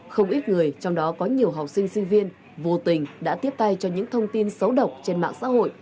không ít người trong đó có nhiều học sinh sinh viên vô tình đã tiếp tay cho những thông tin xấu độc trên mạng xã hội